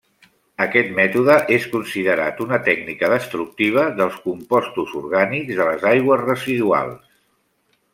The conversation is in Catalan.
Aquest mètode és considerat una tècnica destructiva dels compostos orgànics de les aigües residuals.